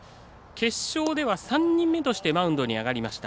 決勝では３人目としてマウンドに上がりました。